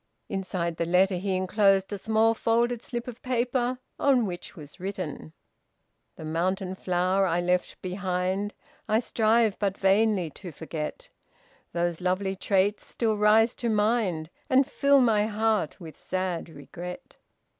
Inside the letter he enclosed a small folded slip of paper, on which was written: "The mountain flower I left behind I strive but vainly to forget, Those lovely traits still rise to mind And fill my heart with sad regret."